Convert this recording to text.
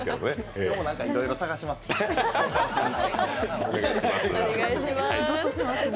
今日もいろいろ探します、本番中に。